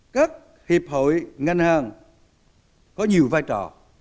các hiệp hội ngân hàng có nhiều vai trò